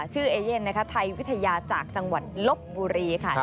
ชื่อเอเยนไทยวิทยาจากจังหวัดลบบุรี